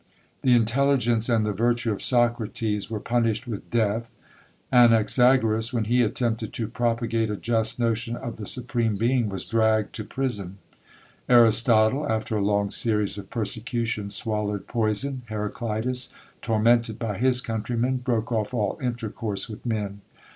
The intelligence and the virtue of Socrates were punished with death. Anaxagoras, when he attempted to propagate a just notion of the Supreme Being, was dragged to prison. Aristotle, after a long series of persecution, swallowed poison. Heraclitus, tormented by his countrymen, broke off all intercourse with men.